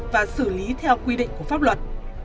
và xử lý theo quy định của pháp luật